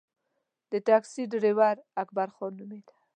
د ټیکسي ډریور اکبرخان نومېده.